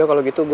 ya gak tahu